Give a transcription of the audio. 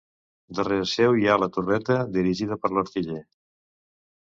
Darrere seu hi ha la torreta, dirigida per l'artiller.